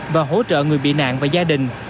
và hỗ trợ người bị nạn và gia đình